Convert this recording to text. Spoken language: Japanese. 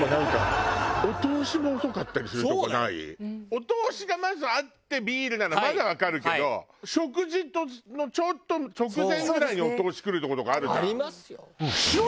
お通しがまずあってビールならまだわかるけど食事のちょっと直前ぐらいにお通し来るとことかあるじゃん。ありますよ。